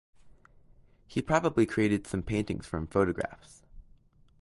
He probably created some paintings from photographs.